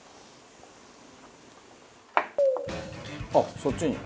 あっそっちに？